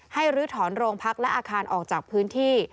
ลื้อถอนโรงพักและอาคารออกจากพื้นที่